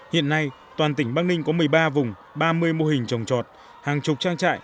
hiện nay toàn tỉnh bắc ninh có một mươi ba vùng ba mươi mô hình trồng trọt hàng chục trang trại